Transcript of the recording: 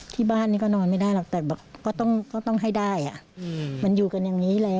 ที่บ้านนี้ก็นอนไม่ได้หรอกแต่ก็ต้องให้ได้มันอยู่กันอย่างนี้เลย